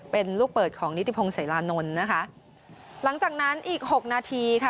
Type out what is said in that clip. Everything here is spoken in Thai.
เป็นลูกเปิดของนิติพงศิรานนท์นะคะหลังจากนั้นอีกหกนาทีค่ะ